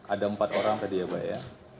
ada empat orang tadi ya pak ya